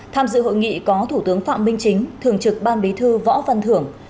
tham dự hội nghị có thủ tướng phạm minh chính thường trực ban bí thư võ văn thưởng